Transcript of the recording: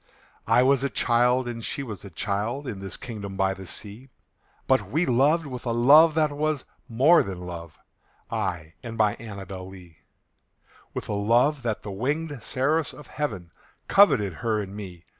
I was a child and she was a child, In this kingdom by the sea: But we loved with a love that was more than love I and my ANNABEL LEE; With a love that the winged seraphs of heaven Coveted her and me.